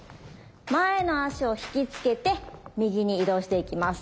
前の足を引きつけて右に移動していきます。